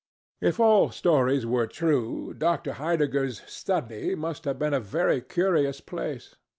If all stories were true, Dr. Heidegger's study must have been a very curious place.